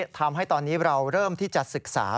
ทำให้ตอนนี้เราเริ่มที่จะศึกษา